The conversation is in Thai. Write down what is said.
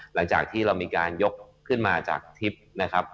หลังจากที่เรามีการยกขึ้นมาจากทริปนะครับ